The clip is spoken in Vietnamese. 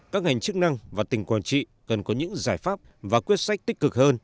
các ngành chức năng và tỉnh quảng trị cần có những giải pháp và quyết sách tích cực hơn